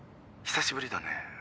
久しぶりだね。